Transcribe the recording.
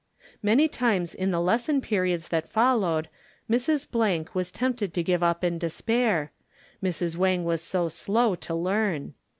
Many times in the lesson periods that followed Mrs. —— was tempted to give up in despair, Mrs. Wang was so slow to learn.